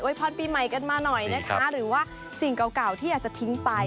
พรปีใหม่กันมาหน่อยนะคะหรือว่าสิ่งเก่าที่อยากจะทิ้งไป